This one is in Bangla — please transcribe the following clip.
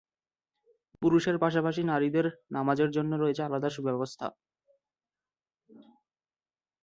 পুরুষের পাশাপাশি নারীদের নামাজের জন্য রয়েছে আলাদা সুব্যবস্থা।